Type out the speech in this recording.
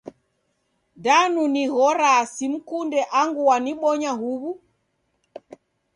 Danu nighoraa simkunde angu wanibonya huw'u?